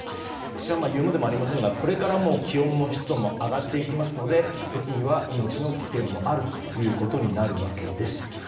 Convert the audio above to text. こちらは言うまでもありませんがこれから気温も湿度も上がっていきますので時には命の危険もあるということになるわけです。